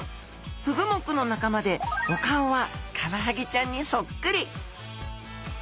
フグ目の仲間でお顔はカワハギちゃんにそっくり！